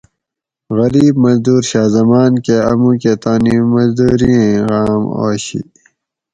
غریب مزدور شاہ زمان کہ آ مُوکہ تانی مزدورئیں غام آشی